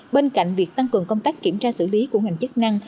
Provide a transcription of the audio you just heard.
bên cạnh việc tăng cường công tác kiểm tra xử lý của ngành chức năng